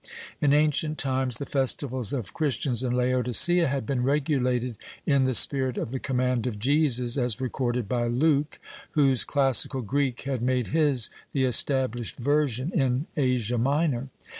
In ancient times the festivals of Christians in Laodicea had been regulated in the spirit of the command of Jesus, as recorded by Luke, whose classical Greek had made his the established version in Asia Minor.